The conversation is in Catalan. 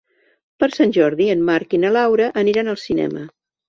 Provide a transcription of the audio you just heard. Per Sant Jordi en Marc i na Laura aniran al cinema.